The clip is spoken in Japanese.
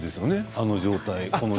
あの状態で。